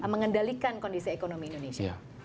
mengendalikan kondisi ekonomi indonesia